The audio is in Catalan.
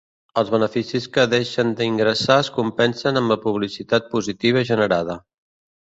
Els beneficis que deixen d'ingressar es compensen amb la publicitat positiva generada.